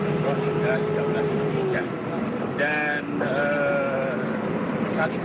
sudah ada produser cnn indonesia radian febge r mensitih external produ utmost dan paham polisi